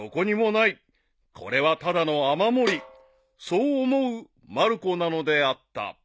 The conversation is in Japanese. ［これはただの雨漏りそう思うまる子なのであった］